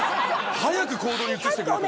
早く行動に移してくれと。